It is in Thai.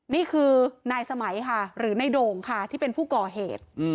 นี่คือนายสมัยค่ะหรือในโด่งค่ะที่เป็นผู้ก่อเหตุ